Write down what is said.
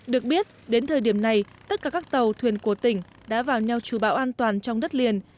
được biết đến thời điểm này tất cả các tàu thuyền của tỉnh đã vào neo trù bão an toàn trong đất liền